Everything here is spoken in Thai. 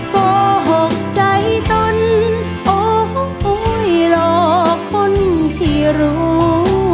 โกหกใจตนโอ้โหหลอกคนที่รู้